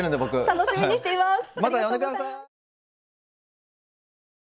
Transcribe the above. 楽しみにしています。